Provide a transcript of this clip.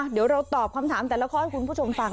เดี๋ยวเราตอบคำถามแต่ละข้อให้คุณผู้ชมฟัง